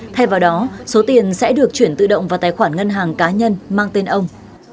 thay vào đó số tiền sẽ được chuyển tự động vào tài khoản ngân hàng cá nhân mang tên ông